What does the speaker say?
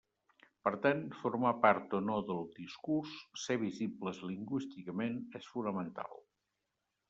Per tant, formar part o no del discurs, ser visibles lingüísticament és fonamental.